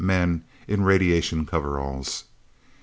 men in radiation coveralls.